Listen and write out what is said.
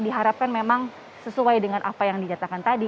diharapkan memang sesuai dengan apa yang dinyatakan tadi